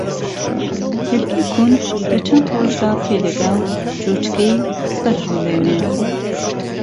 ھێلکەی کوند لە چەن ڕۆژدا پێ دەگا و جوچکەی سەرھەڵدێنێ